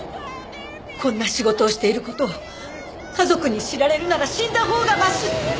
こんな仕事をしている事を家族に知られるなら死んだほうがまし！